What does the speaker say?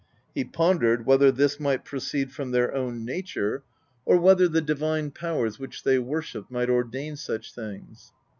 He pondered whether this might proceed from their own nature, or 14 PROSE EDDA whether the divine powers which they worshipped might ordain such things.